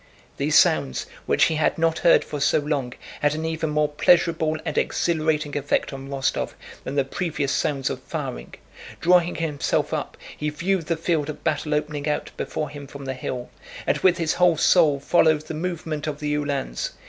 The sounds, which he had not heard for so long, had an even more pleasurable and exhilarating effect on Rostóv than the previous sounds of firing. Drawing himself up, he viewed the field of battle opening out before him from the hill, and with his whole soul followed the movement of the Uhlans.